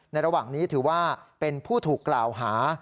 ระหว่างนี้ถือว่าเป็นผู้ถูกกล่าวหา